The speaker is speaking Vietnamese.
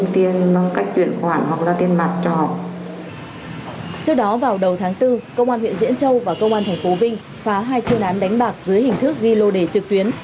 trước đó vào đầu tháng bốn công an huyện diễn châu và công an tp vinh phá hai chuyên án đánh bạc dưới hình thức ghi lô đề trực tuyến